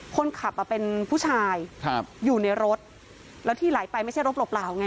คนขับอ่ะเป็นผู้ชายครับอยู่ในรถแล้วที่ไหลไปไม่ใช่รถเปล่าไง